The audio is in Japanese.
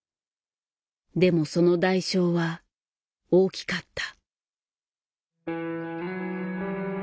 でもその代償は大きかった。